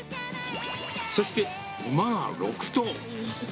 そして馬が６頭。